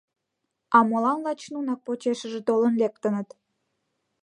А молан лач нунак почешыже толын лектыныт?